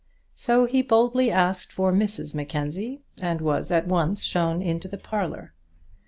So he boldly asked for Mrs Mackenzie, and was at once shown into the parlour.